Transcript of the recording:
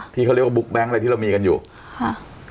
ที่เขาเรียกว่าบุ๊กแก๊งอะไรที่เรามีกันอยู่ค่ะ